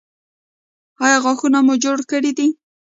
ایا غاښونه مو جوړ کړي دي؟